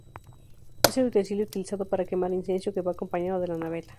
Es el utensilio utilizado para quemar incienso que va acompañado de la naveta.